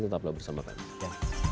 tetaplah bersama kami